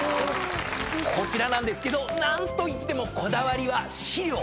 こちらなんですけど何といってもこだわりは飼料。